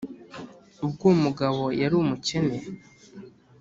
ubwo wo mugabo yari umukene